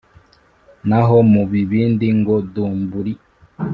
naho mu bibindi ngo dumburi